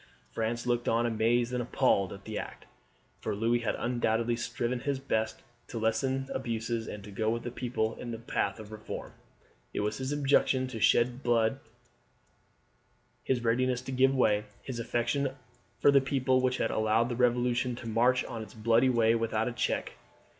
France looked on amazed and appalled at the act, for Louis had undoubtedly striven his best to lessen abuses and to go with the people in the path of reform. It was his objection to shed blood, his readiness to give way, his affection for the people, which had allowed the Revolution to march on its bloody way without a check.